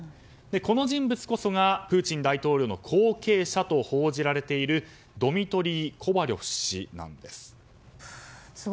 この人物こそがプーチン大統領の後継者と報じられているドミトリー・コバリョフ氏です。